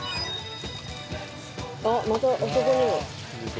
あっまたあそこにも。